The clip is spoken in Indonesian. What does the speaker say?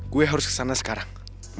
gue harus ke sana sekarang